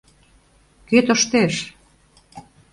— Кӧ тоштеш?